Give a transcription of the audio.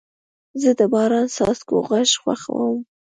زه د باران د څاڅکو غږ خوښوم.